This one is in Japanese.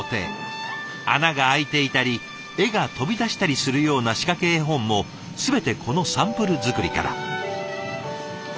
穴が開いていたり絵が飛び出したりするような仕掛け絵本も全てこのサンプル作りから。